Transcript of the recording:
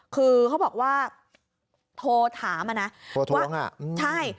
คือเขาบอกว่าโทรถามอ่ะนะโทรท้วงอ่ะใช่